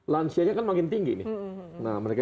lansianya kan makin tinggi nih nah mereka